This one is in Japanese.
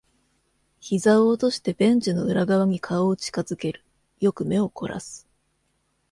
膝を落としてベンチの裏側に顔を近づける。よく目を凝らす。